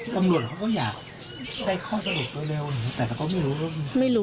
อำรวจเขาก็อยากได้ข้อสรุปเร็วแต่เราก็ไม่รู้